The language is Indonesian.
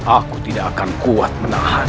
aku tidak akan kuat menahan